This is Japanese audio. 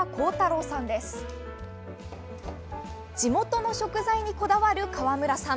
地元の食材にこだわる河村さん。